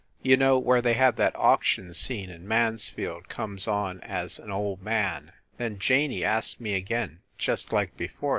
You know where they have that auction scene and Mansfield comes on as an old man. Then Janey asked me again just like before.